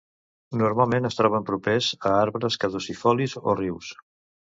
Normalment es troben properes a arbres caducifolis o rius.